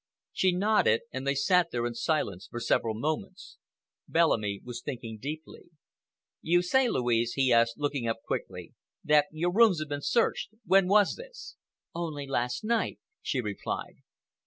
She nodded, and they sat there in silence for several moments. Bellamy was thinking deeply. "You say, Louise," he asked, looking up quickly, "that your rooms have been searched. When was this?" "Only last night," she replied.